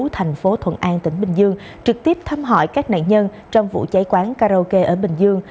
thành phố thuận an tỉnh bình dương trực tiếp thăm hỏi các nạn nhân trong vụ cháy quán karaoke ở bình dương